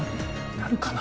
なるかな？